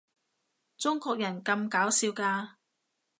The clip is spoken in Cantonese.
中國人咁搞笑㗎